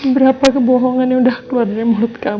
berapa kebohongan yang udah keluar dari mulut kamu